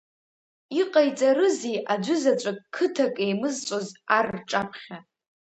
Иҟаиҵарызеи аӡәы заҵәык қыҭак еимызҵәоз ар рҿаԥхьа?